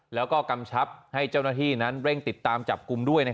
แล้วก็กำชับให้เจ้าหน้าที่นั้นเร่งติดตามจับกลุ่มด้วย